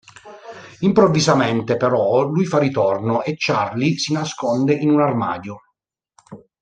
Improvvisamente, però, lui fa ritorno, e Charlie si nasconde in un armadio.